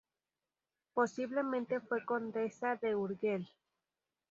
Posiblemente fue condesa de Urgell.